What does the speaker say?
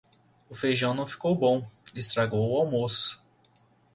O feijão não ficou bom, estragou o almoço.